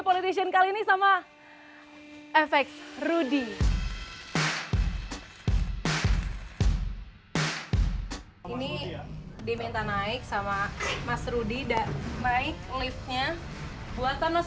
politician kali ini sama efek rudy ini diminta naik sama mas rudy dan naik liftnya buatan mas